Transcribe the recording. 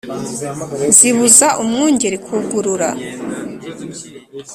zibuza umwungeri kugurura